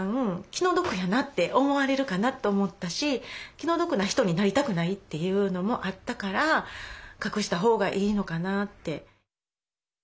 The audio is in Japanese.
気の毒やなって思われるかなと思ったし気の毒な人になりたくないっていうのもあったから隠した方がいいのかなって。